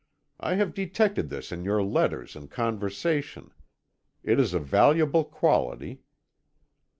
I have detected this in your letters and conversation. It is a valuable quality.